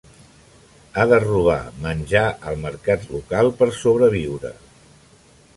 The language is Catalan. Ha de robar menjar al mercat local per sobreviure.